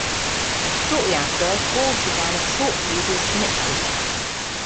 Shortly after, Balls began a short feud with Snitsky.